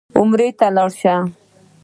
عمرې ته لاړ شه.